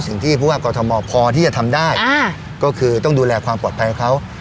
สิ่งที่ผู้ว่ากรทมพอที่จะทำได้ก็คือต้องดูแลความปลอดภัยเขา